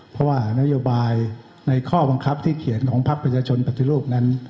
เพราะว่านโยบายในข้อบังคับที่เขียนของพักประชาชนปฏิรูปนั้น